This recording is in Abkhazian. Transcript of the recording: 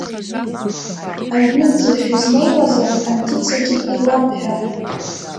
Аҩнынӡа шәызнеиуазар, Анҭицагьы илабҳәар…